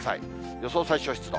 予想最小湿度。